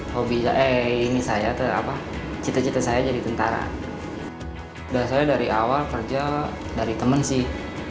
hobi saya ini saya terapa cita cita saya jadi tentara dasarnya dari awal kerja dari temen sih